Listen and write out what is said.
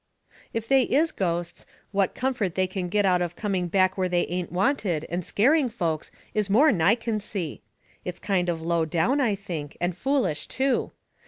If they is ghosts, what comfort they can get out of coming back where they ain't wanted and scaring folks is more'n I can see. It's kind of low down, I think, and foolish too.